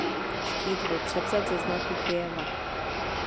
Štít byl převzat ze znaku Kyjeva.